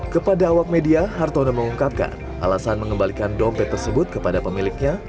kepada awak media hartono mengungkapkan alasan mengembalikan dompet tersebut kepada pemiliknya